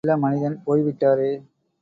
நல்ல மனிதன் போய் விட்டாரே!